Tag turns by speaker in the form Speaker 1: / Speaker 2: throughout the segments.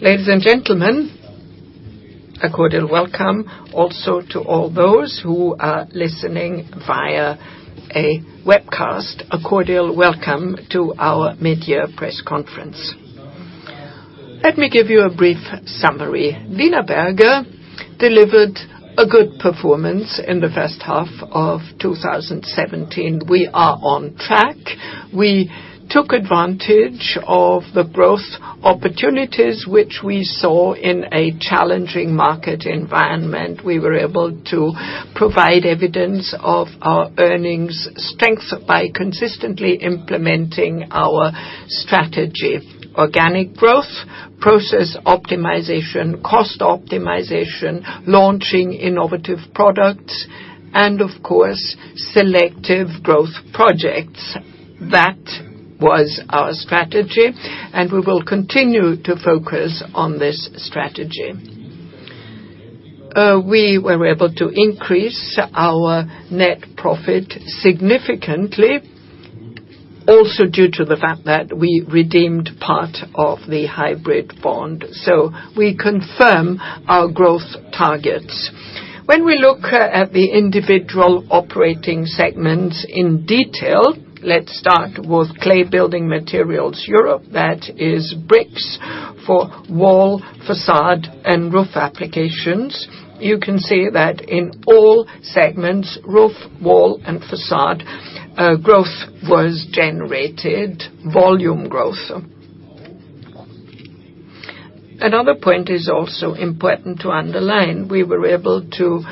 Speaker 1: Ladies and gentlemen, a cordial welcome also to all those who are listening via a webcast. A cordial welcome to our mid-year press conference. Let me give you a brief summary. Wienerberger delivered a good performance in the first half of 2017. We are on track. We took advantage of the growth opportunities which we saw in a challenging market environment. We were able to provide evidence of our earnings strength by consistently implementing our strategy. Organic growth, process optimization, cost optimization, launching innovative products, and of course, selective growth projects. That was our strategy, and we will continue to focus on this strategy. We were able to increase our net profit significantly, also due to the fact that we redeemed part of the hybrid bond. We confirm our growth targets. When we look at the individual operating segments in detail, let's start with Clay Building Materials Europe. That is bricks for wall, facade, and roof applications. You can see that in all segments, roof, wall, and facade, growth was generated. Volume growth. Another point is also important to underline. We were able to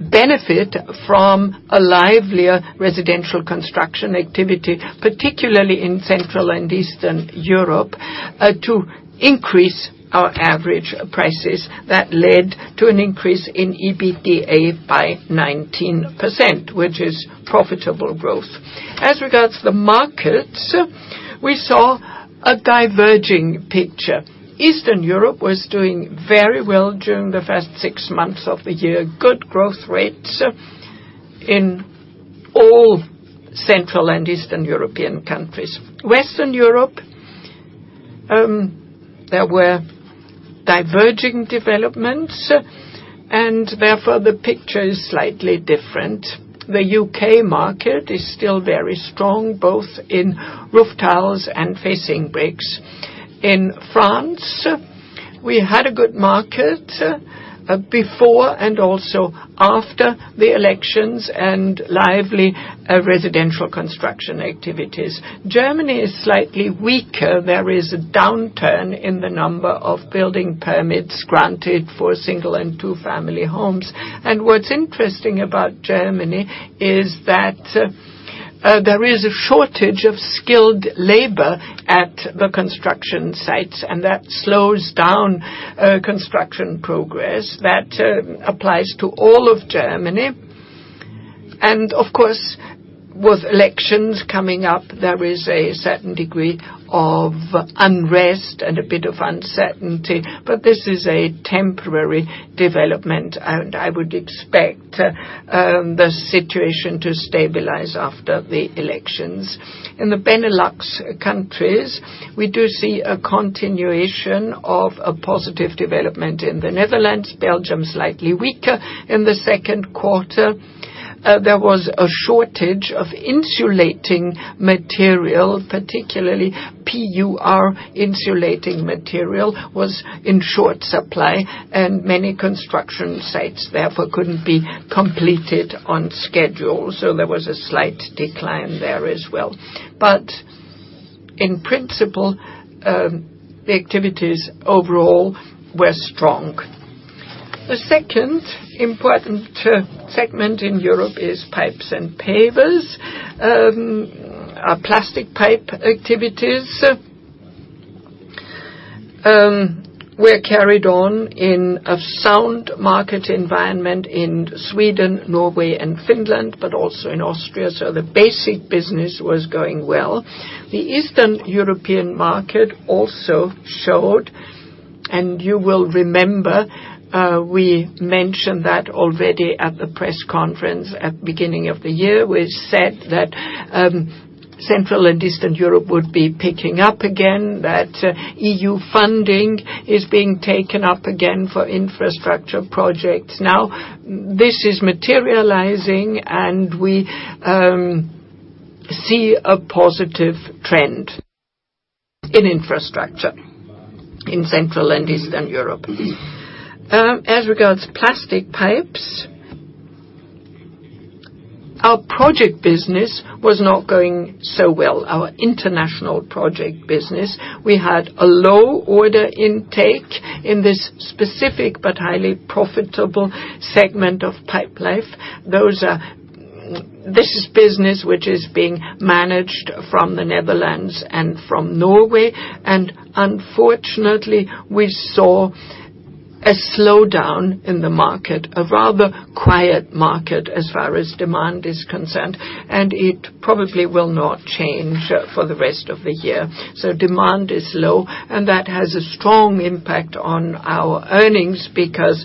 Speaker 1: benefit from a livelier residential construction activity, particularly in Central and Eastern Europe, to increase our average prices. That led to an increase in EBITDA by 19%, which is profitable growth. As regards to the markets, we saw a diverging picture. Eastern Europe was doing very well during the first six months of the year. Good growth rates in all Central and Eastern European countries. Western Europe, there were diverging developments and therefore, the picture is slightly different. The U.K. market is still very strong, both in roof tiles and facing bricks. In France, we had a good market before and also after the elections, and lively residential construction activities. Germany is slightly weaker.
Speaker 2: There is a downturn in the number of building permits granted for single and two-family homes. What's interesting about Germany is that there is a shortage of skilled labor at the construction sites, and that slows down construction progress. That applies to all of Germany. Of course, with elections coming up, there is a certain degree of unrest and a bit of uncertainty. This is a temporary development, and I would expect the situation to stabilize after the elections. In the Benelux countries, we do see a continuation of a positive development in the Netherlands. Belgium, slightly weaker in the second quarter. There was a shortage of insulating material, particularly PUR insulating material was in short supply, and many construction sites therefore couldn't be completed on schedule. There was a slight decline there as well. In principle, the activities overall were strong.
Speaker 1: The second important segment in Europe is pipes and pavers. Our plastic pipe activities were carried on in a sound market environment in Sweden, Norway, and Finland, but also in Austria. The basic business was going well. The Eastern European market also showed, and you will remember we mentioned that already at the press conference at beginning of the year, we said that Central and Eastern Europe would be picking up again, that EU funding is being taken up again for infrastructure projects. This is materializing, and we see a positive trend in infrastructure in Central and Eastern Europe. As regards plastic pipes, our project business was not going so well. Our international project business, we had a low order intake in this specific but highly profitable segment of Pipelife. This is business which is being managed from the Netherlands and from Norway, and unfortunately, we saw a slowdown in the market, a rather quiet market as far as demand is concerned, and it probably will not change for the rest of the year. Demand is low, and that has a strong impact on our earnings, because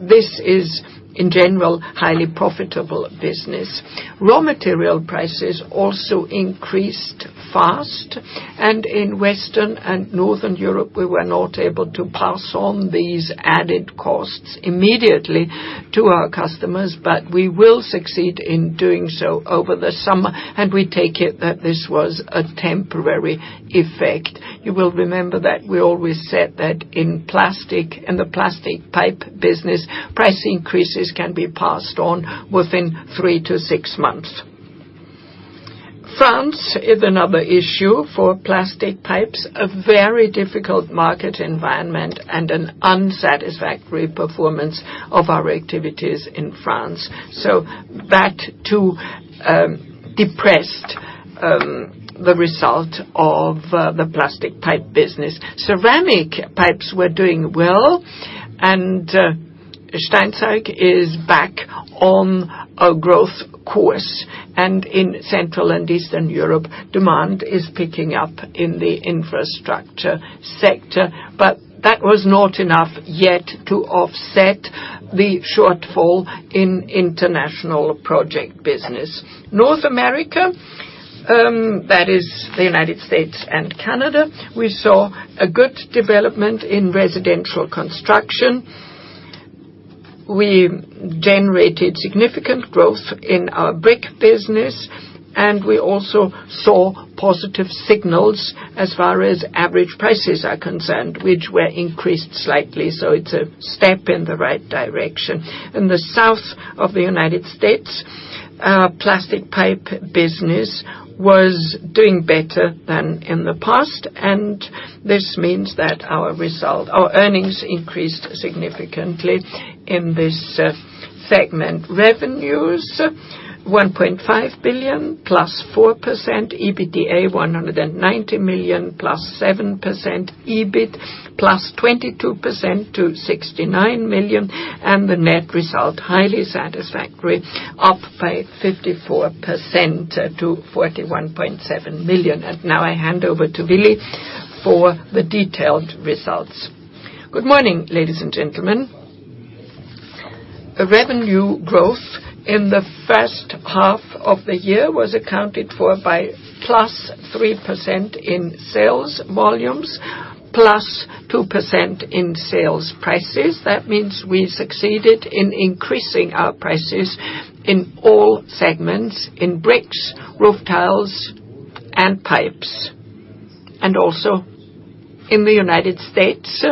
Speaker 1: this is, in general, highly profitable business. Raw material prices also increased fast, and in Western and Northern Europe, we were not able to pass on these added costs immediately to our customers, but we will succeed in doing so over the summer, and we take it that this was a temporary effect. You will remember that we always said that in the plastic pipe business, price increases can be passed on within three to six months. France is another issue for plastic pipes. A very difficult market environment and an unsatisfactory performance of our activities in France. That too depressed the result of the plastic pipe business. Ceramic pipes were doing well, and Steinzeug is back on a growth course. In Central and Eastern Europe, demand is picking up in the infrastructure sector. That was not enough yet to offset the shortfall in international project business. North America, that is the United States and Canada, we saw a good development in residential construction. We generated significant growth in our brick business, and we also saw positive signals as far as average prices are concerned, which were increased slightly. It's a step in the right direction. In the South of the United States, plastic pipe business was doing better than in the past, and this means that our earnings increased significantly in this segment. Revenues, 1.5 billion, +4%. EBITDA, 190 million, +7%. EBIT, +22% to 69 million. The net result, highly satisfactory, up by 54% to 41.7 million. Now I hand over to Willy for the detailed results. Good morning, ladies and gentlemen. A revenue growth in the first half of the year was accounted for by +3% in sales volumes, +2% in sales prices. That means we succeeded in increasing our prices in all segments, in bricks, roof tiles, and pipes. Also in the United States,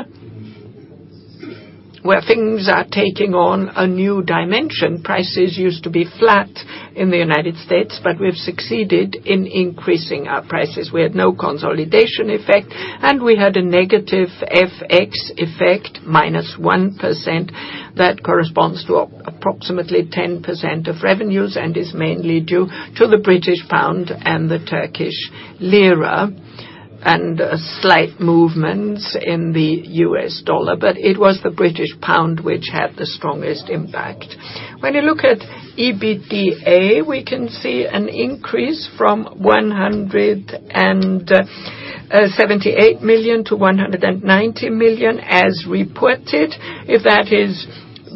Speaker 1: where things are taking on a new dimension. Prices used to be flat in the United States, but we've succeeded in increasing our prices. We had no consolidation effect, and we had a negative FX effect, -1%. That corresponds to approximately 10% of revenues and is mainly due to the GBP and the TRY, and slight movements in the USD. It was the GBP which had the strongest impact. When you look at EBITDA, we can see an increase from 178 million to 190 million as reported. If that is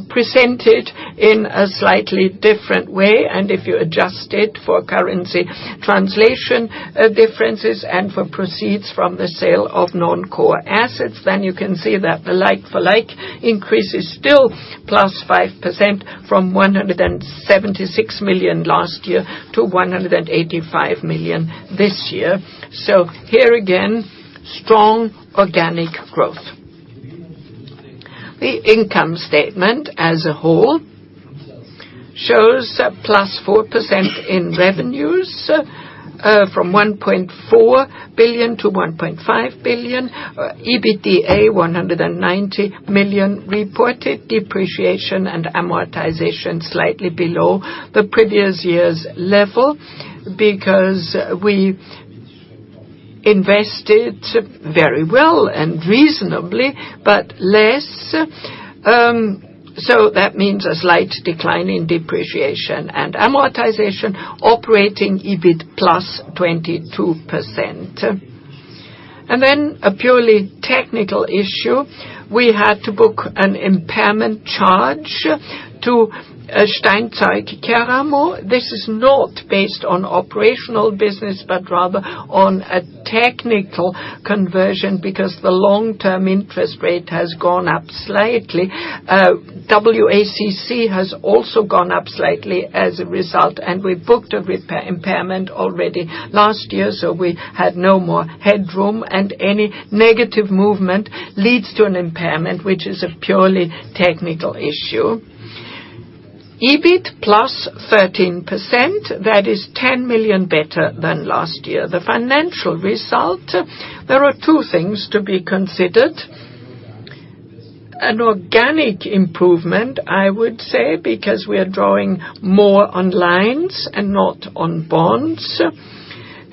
Speaker 1: presented in a slightly different way, and if you adjust it for currency translation differences and for proceeds from the sale of non-core assets, then you can see that the like-for-like increase is still +5%, from 176 million last year to 185 million this year. Here again, strong organic growth. The income statement as a whole shows +4% in revenues from 1.4 billion to 1.5 billion. EBITDA, 190 million. Reported depreciation and amortization slightly below the previous year's level because we invested very well and reasonably, but less. That means a slight decline in depreciation and amortization. Operating EBIT, +22%. A purely technical issue. We had to book an impairment charge to Steinzeug-Keramo. This is not based on operational business, but rather on a technical conversion because the long-term interest rate has gone up slightly. WACC has also gone up slightly as a result, we booked a prior impairment already last year, so we had no more headroom. Any negative movement leads to an impairment, which is a purely technical issue. EBIT, +13%. That is 10 million better than last year. The financial result, there are two things to be considered. An organic improvement, I would say, because we are drawing more on lines and not on bonds.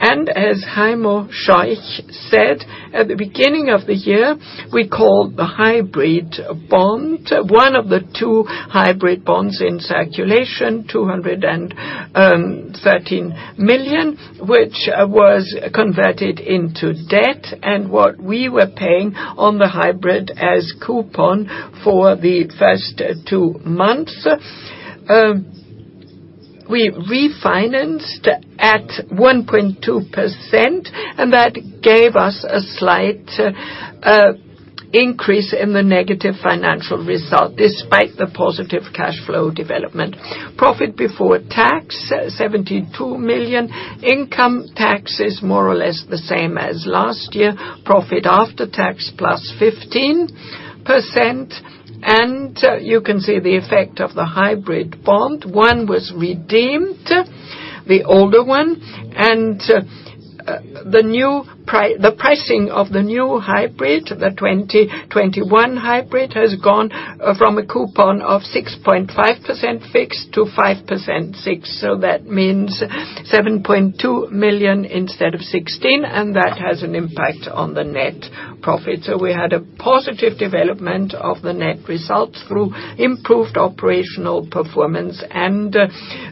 Speaker 1: As Heimo Scheuch said at the beginning of the year, we called the hybrid bond, one of the two hybrid bonds in circulation, 213 million, which was converted into debt. What we were paying on the hybrid as coupon for the first two months We refinanced at 1.2%, that gave us a slight increase in the negative financial result, despite the positive cash flow development. Profit before tax, 72 million. Income tax is more or less the same as last year. Profit after tax, +15%. You can see the effect of the hybrid bond. One was redeemed, the older one. The pricing of the new hybrid, the 2021 hybrid, has gone from a coupon of 6.5% fixed to 5.6%. That means 7.2 million instead of 16 million, and that has an impact on the net profit. We had a positive development of the net results through improved operational performance and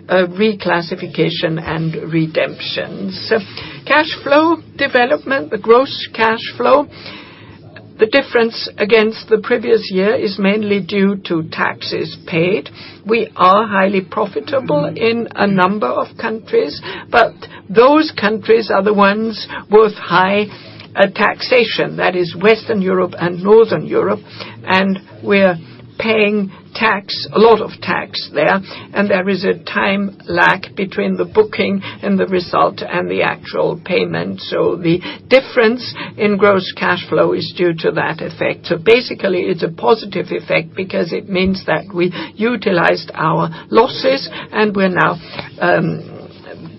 Speaker 1: reclassification and redemptions. Cash flow development. The gross cash flow. The difference against the previous year is mainly due to taxes paid. We are highly profitable in a number of countries, those countries are the ones with high taxation. That is Western Europe and Northern Europe, and we're paying a lot of tax there. There is a time lag between the booking and the result and the actual payment. The difference in gross cash flow is due to that effect. Basically, it's a positive effect because it means that we utilized our losses and we're now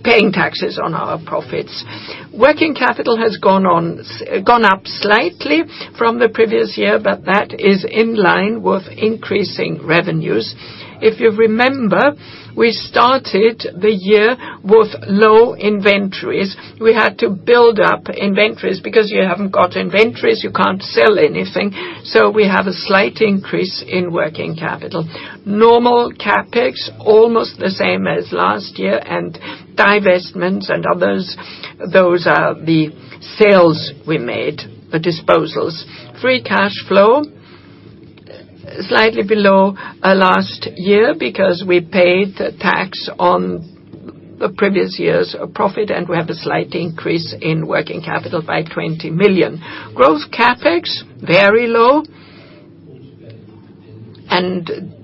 Speaker 1: paying taxes on our profits. Working capital has gone up slightly from the previous year, that is in line with increasing revenues. If you remember, we started the year with low inventories. We had to build up inventories, you haven't got inventories, you can't sell anything, we have a slight increase in working capital. Normal CapEx, almost the same as last year, divestments and others, those are the sales we made, the disposals. Free cash flow, slightly below last year because we paid the tax on the previous year's profit and we have a slight increase in working capital by 20 million. Growth CapEx, very low.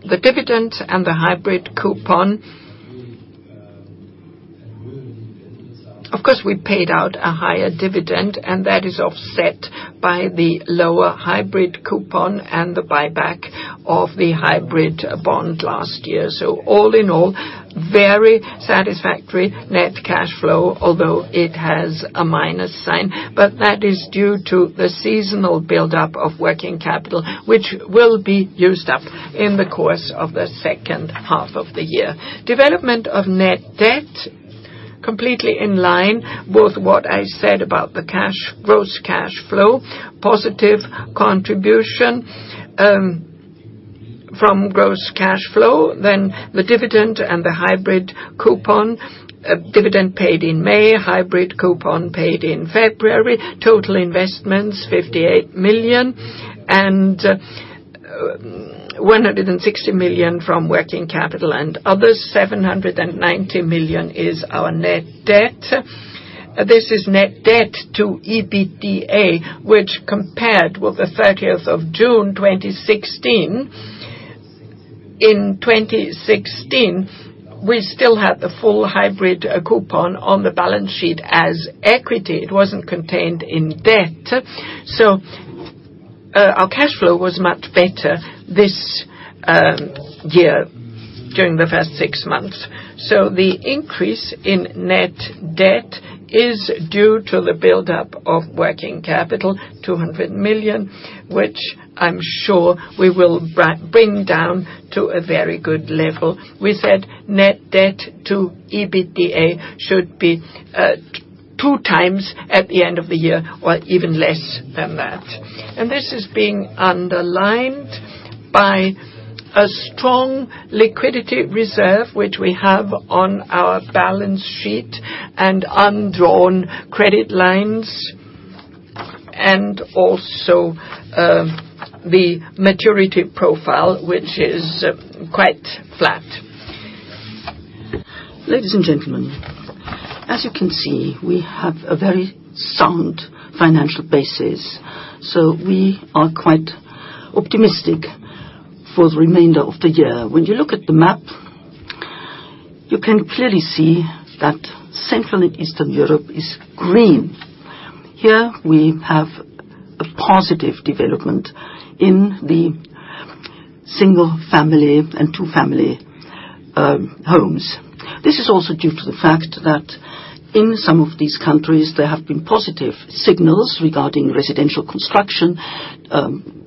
Speaker 1: The dividend and the hybrid coupon. Of course, we paid out a higher dividend, that is offset by the lower hybrid coupon and the buyback of the hybrid bond last year. All in all, very satisfactory net cash flow, although it has a minus sign. That is due to the seasonal buildup of working capital, which will be used up in the course of the second half of the year. Development of net debt, completely in line with what I said about the gross cash flow. Positive contribution from gross cash flow. The dividend and the hybrid coupon. Dividend paid in May, hybrid coupon paid in February. Total investments, 58 million and 160 million from working capital and others. 790 million is our net debt. This is net debt to EBITDA, which compared with the 30th of June 2016. In 2016, we still had the full hybrid coupon on the balance sheet as equity. It wasn't contained in debt. Our cash flow was much better this year during the first six months. The increase in net debt is due to the buildup of working capital, 20 million, which I'm sure we will bring down to a very good level. We said net debt to EBITDA should be two times at the end of the year, or even less than that. This is being underlined by a strong liquidity reserve, which we have on our balance sheet and undrawn credit lines, and also the maturity profile, which is quite flat.
Speaker 2: Ladies and gentlemen, as you can see, we have a very sound financial basis, we are quite optimistic for the remainder of the year. When you look at the map, you can clearly see that Central and Eastern Europe is green. Here, we have a positive development in the single-family and two-family homes. This is also due to the fact that in some of these countries, there have been positive signals regarding residential construction,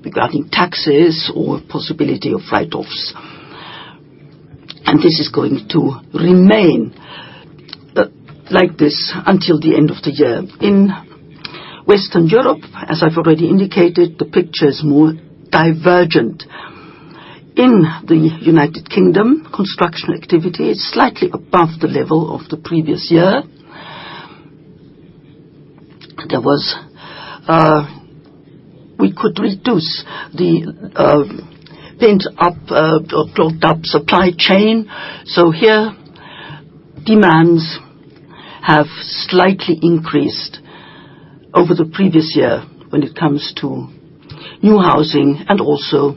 Speaker 2: regarding taxes or possibility of write-offs. This is going to remain like this until the end of the year. In Western Europe, as I've already indicated, the picture is more divergent. In the U.K., construction activity is slightly above the level of the previous year. We could reduce the pent-up supply chain. Here, demands have slightly increased over the previous year when it comes to new housing and also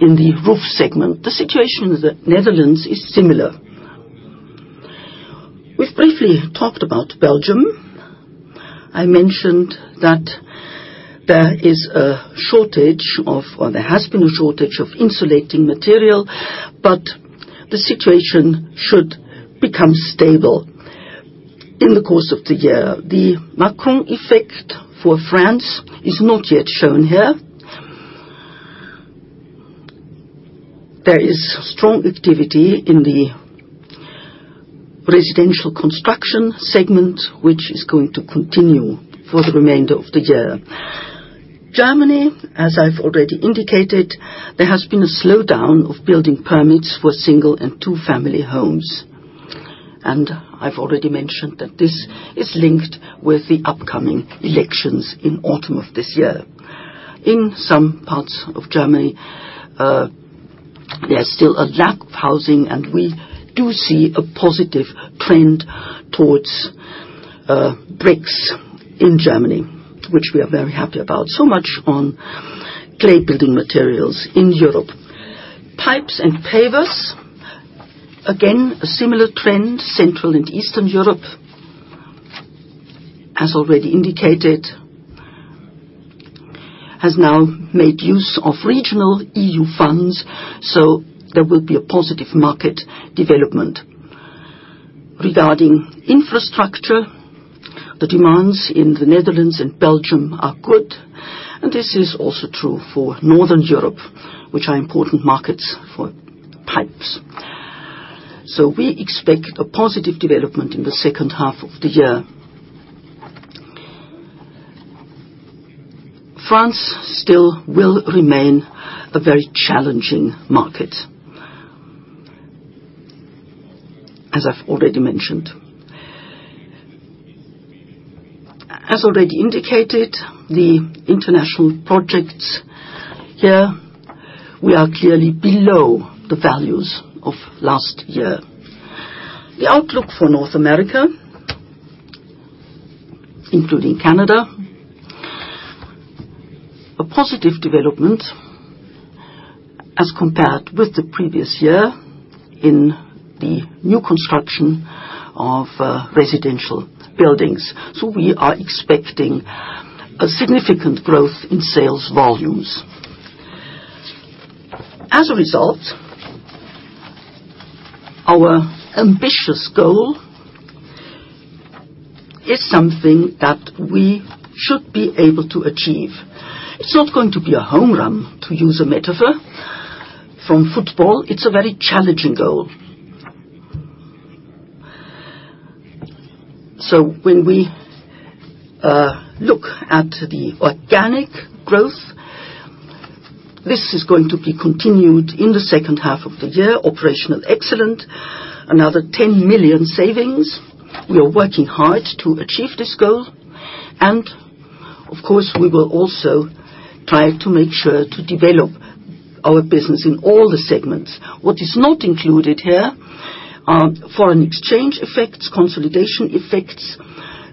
Speaker 2: in the roof segment. The situation in the Netherlands is similar. We've briefly talked about Belgium. I mentioned that there has been a shortage of insulating material, the situation should become stable in the course of the year. The Macron effect for France is not yet shown here. There is strong activity in the residential construction segment, which is going to continue for the remainder of the year. Germany, as I've already indicated, there has been a slowdown of building permits for single and two-family homes, I've already mentioned that this is linked with the upcoming elections in autumn of this year. In some parts of Germany, there's still a lack of housing. We do see a positive trend towards bricks in Germany, which we are very happy about. Much on clay building materials in Europe. Pipes and pavers, again, a similar trend. Central and Eastern Europe, as already indicated, has now made use of regional EU funds. There will be a positive market development. Regarding infrastructure, the demands in the Netherlands and Belgium are good. This is also true for Northern Europe, which are important markets for pipes. We expect a positive development in the second half of the year. France still will remain a very challenging market, as I've already mentioned. As already indicated, the international projects here, we are clearly below the values of last year. The outlook for North America, including Canada. A positive development as compared with the previous year in the new construction of residential buildings. We are expecting a significant growth in sales volumes. As a result, our ambitious goal is something that we should be able to achieve. It's not going to be a home run, to use a metaphor from football. It's a very challenging goal. When we look at the organic growth, this is going to be continued in the second half of the year. Operational excellence, another 10 million savings. We are working hard to achieve this goal. Of course, we will also try to make sure to develop our business in all the segments. What is not included here are foreign exchange effects, consolidation effects,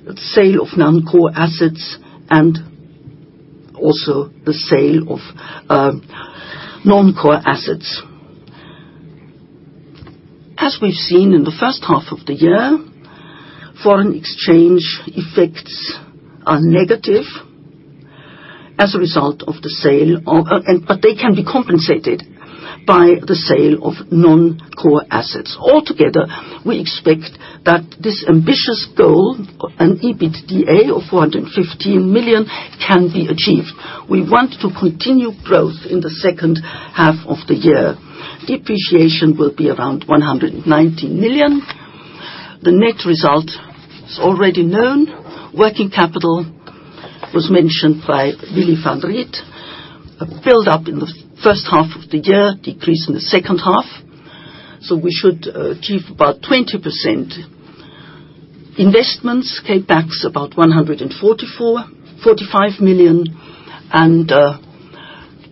Speaker 2: the sale of non-core assets, and also the sale of non-core assets. As we've seen in the first half of the year, foreign exchange effects are negative as a result of the sale. They can be compensated by the sale of non-core assets. Altogether, we expect that this ambitious goal, an EBITDA of 415 million, can be achieved. We want to continue growth in the second half of the year. Depreciation will be around 119 million. The net result is already known. Working capital was mentioned by Willy Van Riet. A build-up in the first half of the year, decrease in the second half. We should achieve about 20%. Investments, CapEx, about 144 million-145 million, and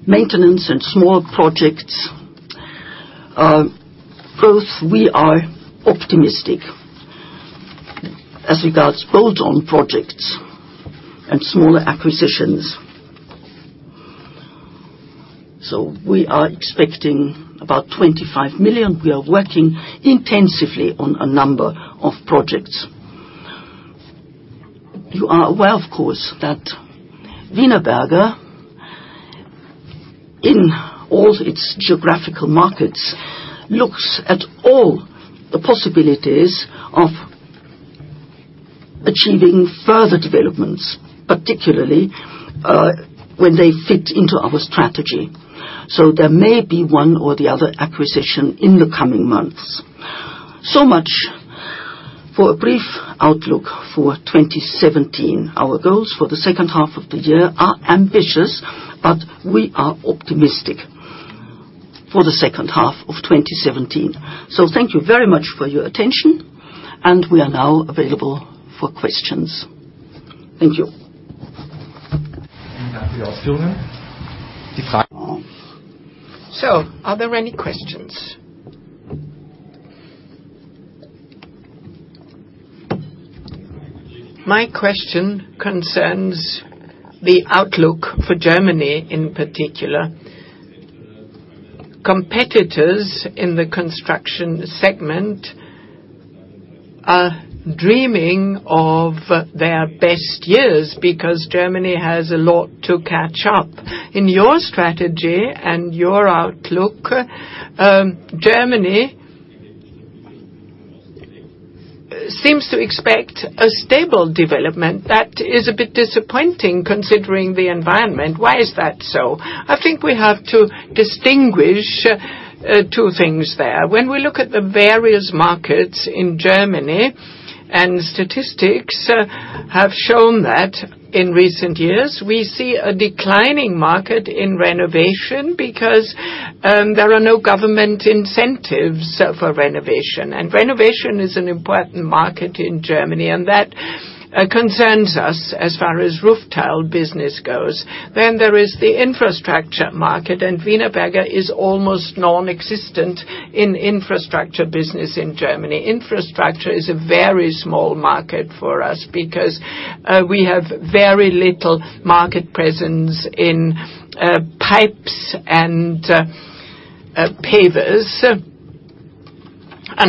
Speaker 2: maintenance and small projects growth, we are optimistic as regards bolt-on projects and smaller acquisitions. We are expecting about 25 million. We are working intensively on a number of projects. You are aware, of course, that Wienerberger, in all its geographical markets, looks at all the possibilities of achieving further developments, particularly when they fit into our strategy. There may be one or the other acquisition in the coming months. Much for a brief outlook for 2017. Our goals for the second half of the year are ambitious. We are optimistic. Thank you very much for your attention. We are now available for questions. Thank you. Are there any questions?
Speaker 3: My question concerns the outlook for Germany, in particular. Competitors in the construction segment are dreaming of their best years because Germany has a lot to catch up. In your strategy and your outlook, Germany seems to expect a stable development that is a bit disappointing considering the environment. Why is that so?
Speaker 2: I think we have to distinguish two things there. When we look at the various markets in Germany, statistics have shown that in recent years, we see a declining market in renovation because there are no government incentives for renovation. Renovation is an important market in Germany. That concerns us as far as roof tile business goes. There is the infrastructure market. Wienerberger is almost nonexistent in infrastructure business in Germany. Infrastructure is a very small market for us because we have very little market presence in pipes and pavers.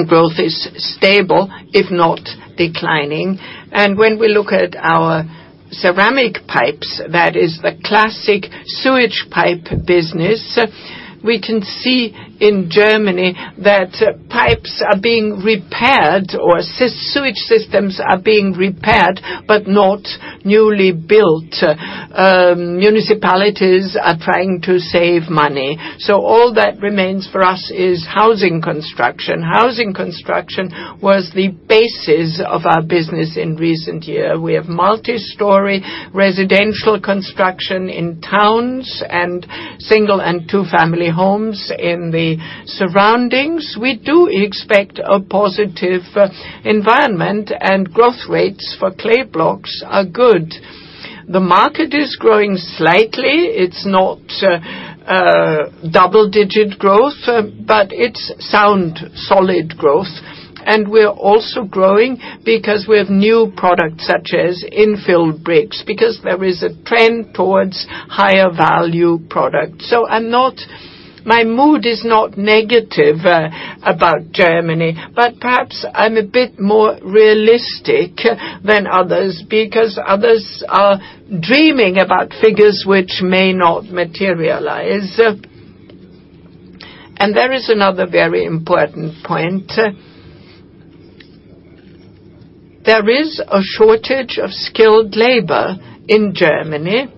Speaker 2: Growth is stable, if not declining. When we look at our ceramic pipes, that is the classic sewage pipe business, we can see in Germany that pipes are being repaired, or sewage systems are being repaired, but not newly built. Municipalities are trying to save money. All that remains for us is housing construction. Housing construction was the basis of our business in recent year. We have multi-story residential construction in towns and single and two-family homes in the surroundings. We do expect a positive environment. Growth rates for clay blocks are good. The market is growing slightly. It's not double-digit growth, but it's sound solid growth. We're also growing because we have new products such as infill bricks, because there is a trend towards higher value products. My mood is not negative about Germany, but perhaps I'm a bit more realistic than others, because others are dreaming about figures which may not materialize. There is another very important point. There is a shortage of skilled labor in Germany.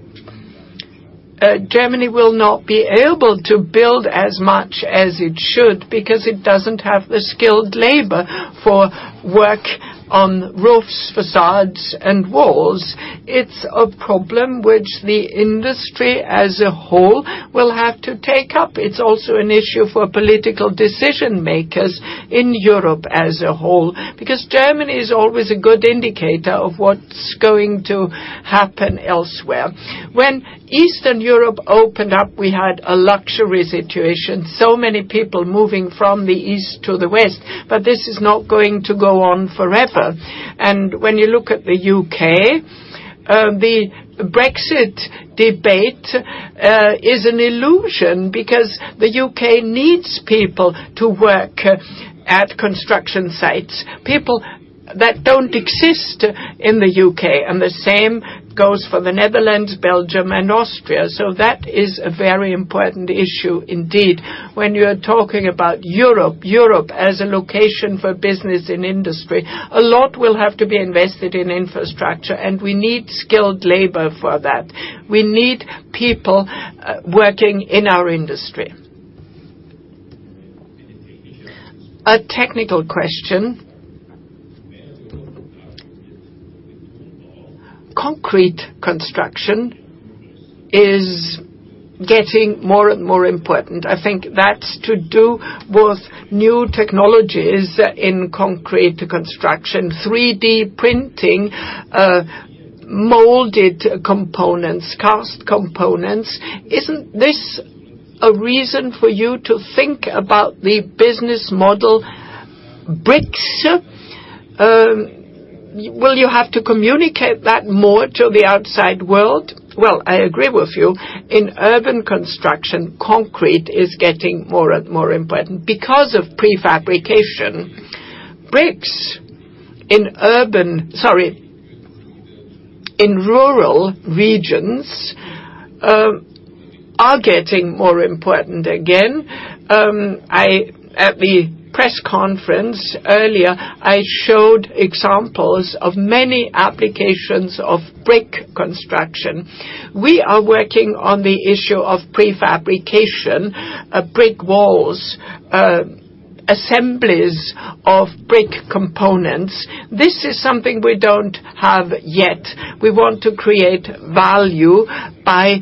Speaker 2: Germany will not be able to build as much as it should because it doesn't have the skilled labor for work on roofs, facades, and walls. It's a problem which the industry as a whole will have to take up. It's also an issue for political decision makers in Europe as a whole, because Germany is always a good indicator of what's going to happen elsewhere. When Eastern Europe opened up, we had a luxury situation. Many people moving from the east to the west. This is not going to go on forever. When you look at the U.K., the Brexit debate is an illusion because the U.K. needs people to work at construction sites, people that don't exist in the U.K. The same goes for the Netherlands, Belgium, and Austria. That is a very important issue indeed. When you're talking about Europe as a location for business and industry, a lot will have to be invested in infrastructure. We need skilled labor for that. We need people working in our industry. A technical question. Concrete construction is getting more and more important. I think that's to do with new technologies in concrete construction, 3D printing, molded components, cast components. Isn't this a reason for you to think about the business model bricks? Will you have to communicate that more to the outside world? Well, I agree with you. In urban construction, concrete is getting more and more important because of prefabrication. Bricks in rural regions are getting more important again. At the press conference earlier, I showed examples of many applications of brick construction. We are working on the issue of prefabrication of brick walls. Assemblies of brick components. This is something we don't have yet. We want to create value by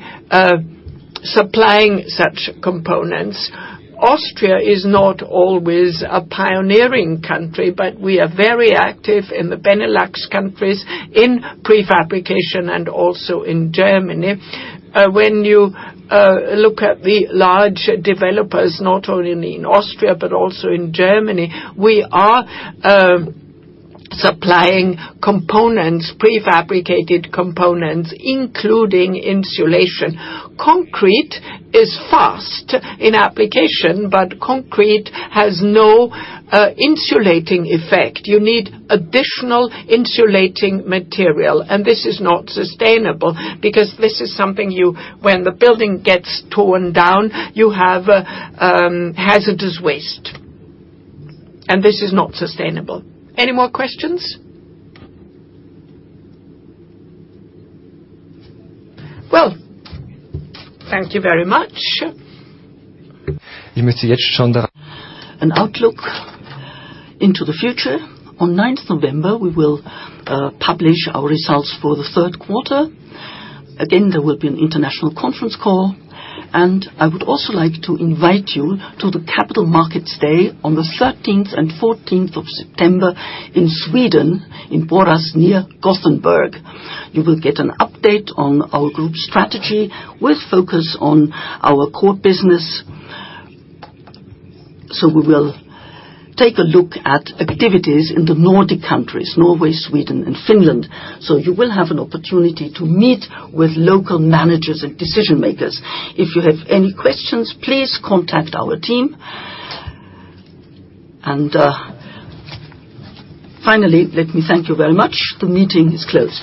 Speaker 2: supplying such components. Austria is not always a pioneering country, but we are very active in the Benelux countries, in prefabrication and also in Germany. When you look at the large developers, not only in Austria but also in Germany, we are supplying prefabricated components, including insulation. Concrete is fast in application, but concrete has no insulating effect. You need additional insulating material, and this is not sustainable because this is something, when the building gets torn down, you have hazardous waste. This is not sustainable. Any more questions? Well, thank you very much. An outlook into the future. On ninth November, we will publish our results for the third quarter.
Speaker 1: Again, there will be an international conference call. I would also like to invite you to the Capital Markets Day on the 13th and 14th of September in Sweden, in Borås, near Gothenburg. You will get an update on our group strategy with focus on our core business. We will take a look at activities in the Nordic countries, Norway, Sweden, and Finland. You will have an opportunity to meet with local managers and decision-makers. If you have any questions, please contact our team. Finally, let me thank you very much. The meeting is closed.